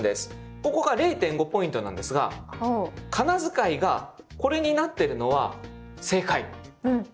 ここが０．５ポイントなんですが仮名遣いがこれになってるのは正解。